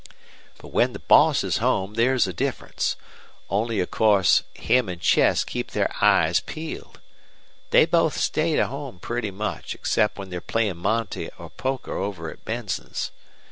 But when the boss is home there's a difference. Only, of course, him an' Chess keep their eyes peeled. They both stay to home pretty much, except when they're playin' monte or poker over at Benson's.